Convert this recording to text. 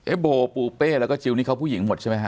โบปูเป้แล้วก็จิลนี่เขาผู้หญิงหมดใช่ไหมฮ